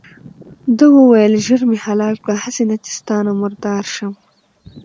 ده وویل ژر مې حلال کړه هسې نه چې ستا نه مردار شم.